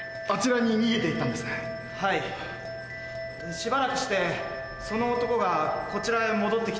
しばらくしてその男がこちらへ戻って来て。